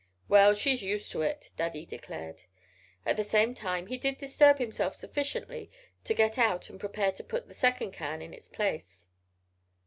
"Well, she's used to it," Daddy declared. At the same time he did disturb himself sufficiently to get out and prepare to put the second can in its place.